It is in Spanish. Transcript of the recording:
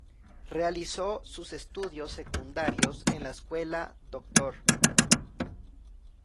Realizó sus estudios secundarios en la escuela Dr.